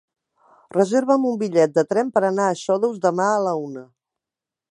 Reserva'm un bitllet de tren per anar a Xodos demà a la una.